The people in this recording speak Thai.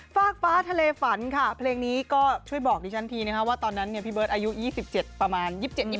ฟากฟ้าทะเลฝันค่ะเพลงนี้ก็ช่วยบอกดิฉันทีนะคะว่าตอนนั้นพี่เบิร์ตอายุ๒๗ประมาณ๒๗๒